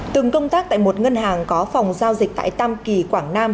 từng công tác tại một ngân hàng có phòng giáo